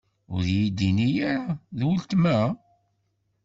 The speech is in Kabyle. Ur iyi-d-inni ara: D ultma?